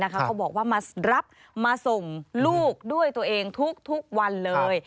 เขาบอกว่ามารับมาส่งลูกด้วยตัวเองทุกวันเลย